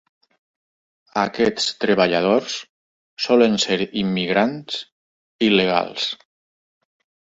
Aquests treballadors solen ser immigrants il·legals.